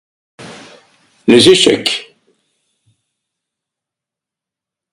Les échecs.